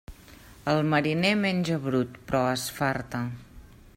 El mariner menja brut, però es farta.